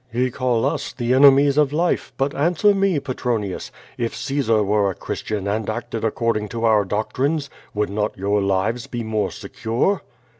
"Ye call us the enemies of life, but answer me, Petronius, if Caesar were a Christian and acted according to our doctrines, would not your lives be more secure?"